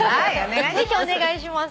ぜひお願いします。